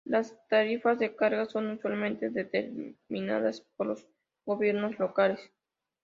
Las tarifas de carga son usualmente determinadas por los gobiernos locales.